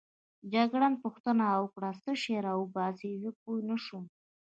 جګړن پوښتنه وکړه: څه شی راوباسې؟ زه پوه نه شوم.